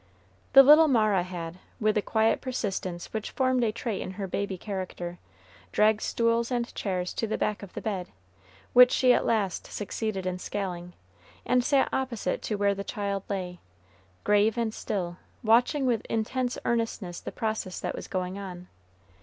The little Mara had, with the quiet persistence which formed a trait in her baby character, dragged stools and chairs to the back of the bed, which she at last succeeded in scaling, and sat opposite to where the child lay, grave and still, watching with intense earnestness the process that was going on.